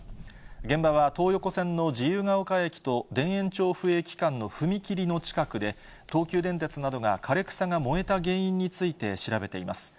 現場は東横線の自由が丘駅と田園調布駅間の踏切の近くで、東急電鉄などが枯れ草が燃えた原因について調べています。